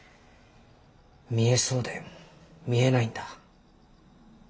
見えそうで見えないんだ。